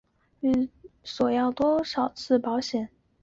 预计在有效寿命阶段有多少次保修索赔？